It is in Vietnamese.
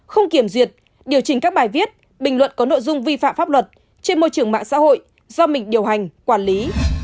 không kiểm duyệt điều chỉnh các bài viết bình luận có nội dung vi phạm pháp luật trên môi trường mạng xã hội do mình điều hành quản lý